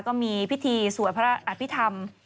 ก็มีพิธีสวดพระอภิษฐรรม